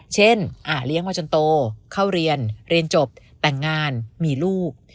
เลี้ยงมาจนโตเข้าเรียนเรียนจบแต่งงานมีลูก